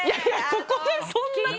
ここでそんなこと。